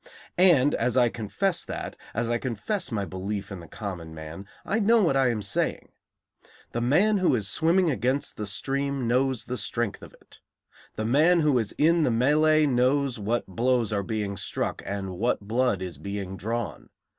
And as I confess that, as I confess my belief in the common man, I know what I am saying. The man who is swimming against the stream knows the strength of it. The man who is in the mêlée knows what blows are being struck and what blood is being drawn.